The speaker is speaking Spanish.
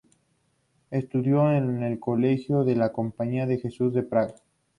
Estudió en el colegio de la Compañía de Jesús de Praga.